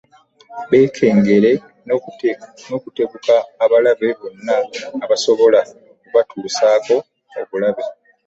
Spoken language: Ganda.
Beekengere n'okutebuka abalabe bonna abasobola okubatuusaako obulabe